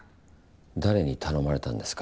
誰に頼まれたんですか？